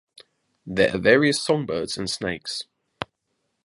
There are various songbirds and snakes.